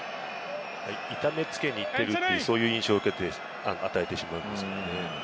痛めつけに行っているという印象を与えてしまいますからね。